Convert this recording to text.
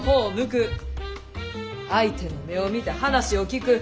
相手の目を見て話を聞く。